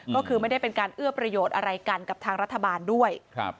ก็คือไม่ได้เป็นการเอื้อประโยชน์อะไรกันกับทางรัฐบาลด้วย